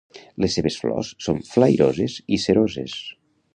Les seves flors són flairoses i ceroses.